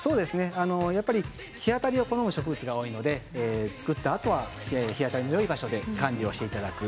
やっぱり日当たりを好む植物が多いので作ったあとは日当たりのよい場所で管理をしていただく。